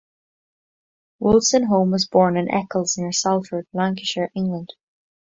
Wolstenholme was born in Eccles near Salford, Lancashire, England.